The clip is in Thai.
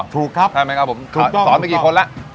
ถูกครับใช่ไหมครับผมถูกต้องถูกต้องสอนไปกี่คนแล้ว